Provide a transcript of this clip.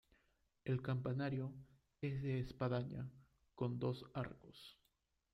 El campanario es de espadaña con dos arcos.